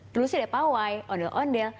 terus ada pawai ondel ondel